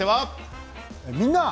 「みんな！